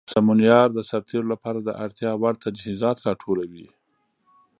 سمونیار د سرتیرو لپاره د اړتیا وړ تجهیزات راټولوي.